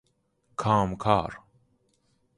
کام کار